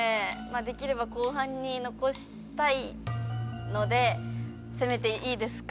できれば後半に残したいので攻めていいですか？